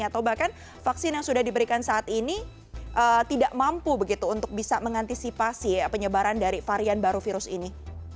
atau bahkan vaksin yang sudah diberikan saat ini tidak mampu begitu untuk bisa mengantisipasi penyebaran dari varian baru virus ini